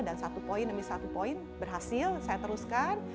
dan satu poin demi satu poin berhasil saya teruskan